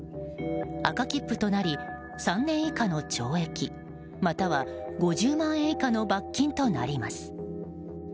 赤切符となり３年以下の懲役または５０万円以下の罰金となります。